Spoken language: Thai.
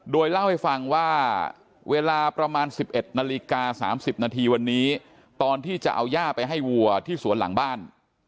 โดยเล่าให้ฟังว่าเวลาประมาณ๑๑นาฬิกา๓๐นาทีวันนี้ตอนที่จะเอาย่าไปให้วัวที่สวนหลังบ้าน